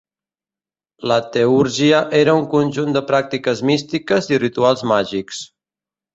La teúrgia era un conjunt de pràctiques místiques i rituals màgics.